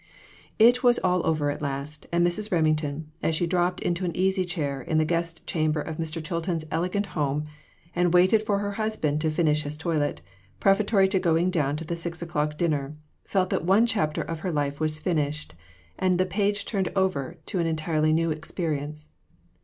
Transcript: It was all over at last, and Mrs. Remington, as she dropped into an easy chair, in the guest chamber of Mr. Chilton's elegant home, and waited for her husband to finish his toilet, pre paratory to going down to the six o'clock dinner, felt that one chapter of her life was finished, and the page turned over to an entirely new experience.